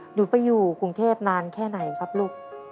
หนูไปอยู่กรุงเทพนานแค่ไหนครับลูก